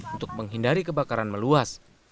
untuk menghindari kebakaran meluas